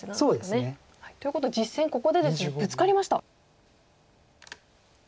そうですね。ということで実戦ここでですねブツカりました。